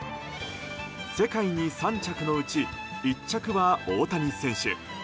世界に３着のうち１着は大谷選手